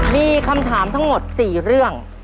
มีคำถามทั้งหมด๔เรื่อง